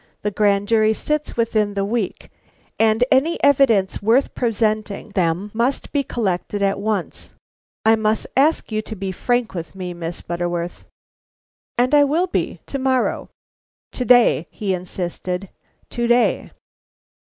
The grand jury sits within the week, and any evidence worth presenting them must be collected at once. I must ask you to be frank with me, Miss Butterworth." "And I will be, to morrow." "To day," he insisted, "to day."